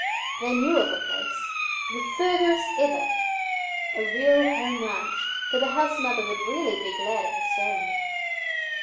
They knew of a place, "the furtherest ever," a real home ranch where the house mother would be really glad of this family.